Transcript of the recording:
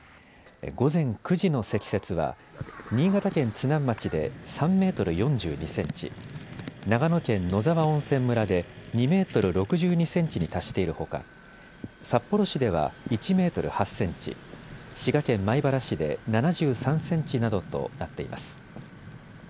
午前９時の積雪は新潟県津南町で３メートル４２センチ、長野県野沢温泉村で２メートル６２センチに達しているほか、札幌市では１メートル８センチ、滋賀県米原市で７３センチなどとなっています。